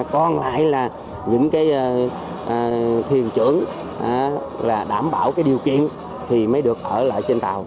còn lại là những cái thiền trưởng là đảm bảo cái điều kiện thì mới được ở lại trên tàu